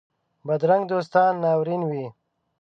بدرنګه دوستان ناورین وي